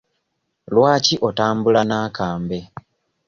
Lwaki otambula n'akambe?